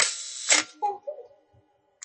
Mmektant-d?